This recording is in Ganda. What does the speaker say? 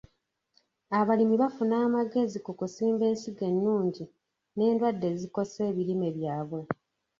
Abalimi bafuna amagezi ku kusimba ensigo ennungi n'endwadde ezikosa ebirime byabwe.